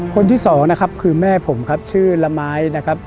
คนที่สองนะครับคือแม่ผมครับชื่อละไม้นะครับ